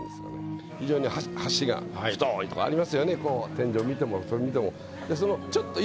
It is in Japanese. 天井見てもそれ見ても。